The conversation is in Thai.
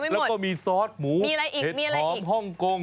แล้วก็มีซอสหมูเห็ดหอมฮ่องโกง